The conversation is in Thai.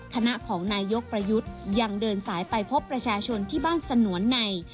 คณะของนายยกประยุทธ์ยังเดินสายไปพบประชาชนที่บ้านสนวนใน